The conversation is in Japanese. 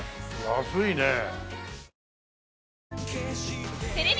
安いねえ。